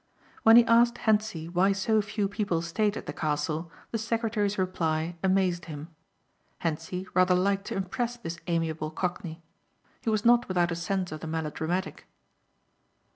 When he asked Hentzi why so few people stayed at the castle the secretary's reply amazed him. Hentzi rather liked to impress this amiable cockney. He was not without a sense of the melodramatic.